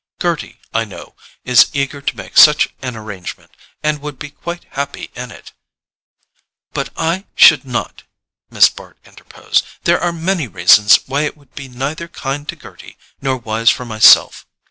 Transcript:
Gerty, I know, is eager to make such an arrangement, and would be quite happy in it——" "But I should not," Miss Bart interposed. "There are many reasons why it would be neither kind to Gerty nor wise for myself."